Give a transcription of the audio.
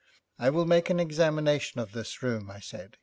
'I will make an examination of this room,' I said.